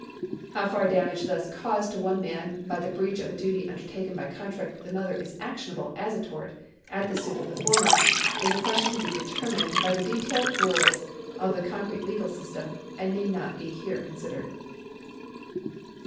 How far damage thus caused to one man by the breach of a duty undertaken by contract with another is actionable as a tort at the suit of the former, is a question to be determined by the detailed rules of the concrete legal system, and need not be here considered.